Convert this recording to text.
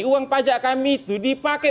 uang pajak kami itu dipakai